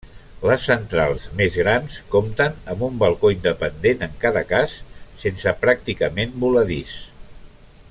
Les centrals, més grans, compten amb un balcó independent en cada cas, sense pràcticament voladís.